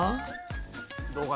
どうかな？